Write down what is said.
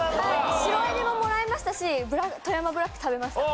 白エビももらいましたし富山ブラック食べました。